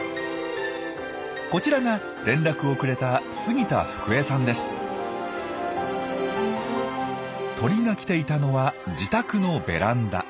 こちらが連絡をくれた鳥が来ていたのは自宅のベランダ。